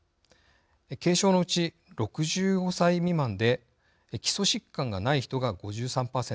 軽症のうち６５歳未満で基礎疾患がない人が５３％。